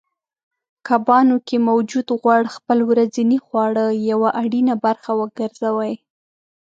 کبانو کې موجود غوړ خپل ورځنۍ خواړه یوه اړینه برخه وګرځوئ